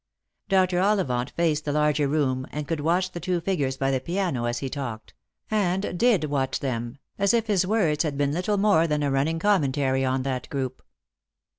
Dr. Ollivant faced the larger room, and could watch the two figures by the piano as he talked — and did watch them, as if his words had been little more than a running commentary on that group.